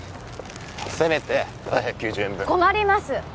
せめて７９０円分困ります